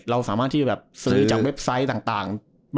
เราสามารถที่แบบซื้อจากเว็บไซต์ต่าง